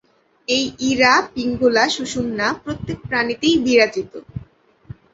এই ইড়া, পিঙ্গলা, সুষুম্না প্রত্যেক প্রাণীতেই বিরাজিত।